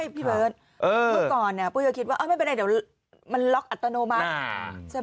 เมื่อก่อนเนี่ยปุ๊กเยอะคิดว่าไม่เป็นไรเดี๋ยวมันล็อกอัตโนมัติ